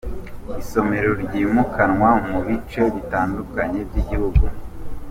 Isomero ryimukanwa mu bice bitandukanye by’Igihugu